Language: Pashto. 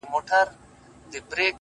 د انسانانو جهالت له موجه، اوج ته تللی،